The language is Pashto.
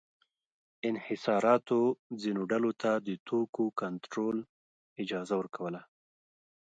انحصاراتو ځینو ډلو ته د توکو کنټرول اجازه ورکوله.